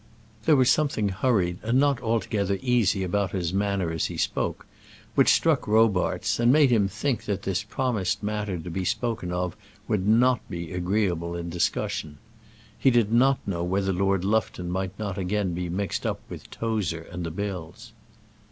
There was something hurried and not altogether easy about his manner as he spoke, which struck Robarts, and made him think that this promised matter to be spoken of would not be agreeable in discussion. He did not know whether Lord Lufton might not again be mixed up with Tozer and the bills.